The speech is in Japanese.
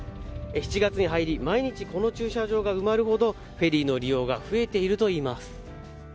７月に入り、毎日この駐車場が埋まるほどフェリーの利用が増えているといいます。